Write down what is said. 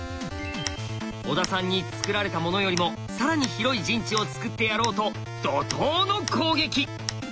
小田さんにつくられたものよりも更に広い陣地をつくってやろうと怒とうの攻撃！